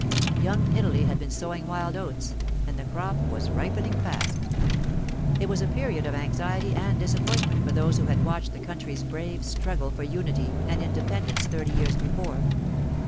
Young Italy had been sowing wild oats, and the crop was ripening fast. It was a period of anxiety and disappointment for those who had watched the country's brave struggle for unity and independence thirty years before.